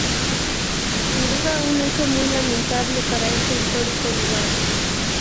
Sin duda un hecho muy lamentable para este histórico lugar.